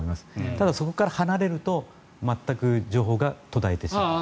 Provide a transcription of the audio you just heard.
ただ、そこから離れると全く情報が途絶えてしまう。